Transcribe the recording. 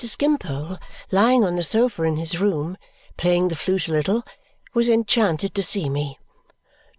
Skimpole, lying on the sofa in his room, playing the flute a little, was enchanted to see me.